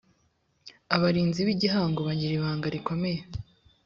abarinzi b ‘igihango bagiraga ibanga rikomeye.